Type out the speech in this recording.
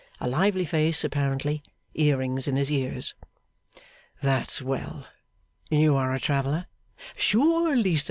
A lively face, apparently. Earrings in his ears. 'That's well. You are a traveller?' 'Surely, sir.